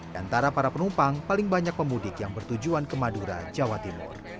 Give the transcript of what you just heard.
di antara para penumpang paling banyak pemudik yang bertujuan ke madura jawa timur